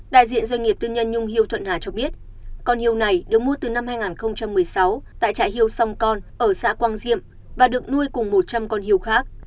đại diện doanh nghiệp tư nhân nhung hiêu thuận hà cho biết con hiêu này được mua từ năm hai nghìn một mươi sáu tại trại hiêu xong con ở xã quang diệm và được nuôi cùng một trăm linh con hiêu khác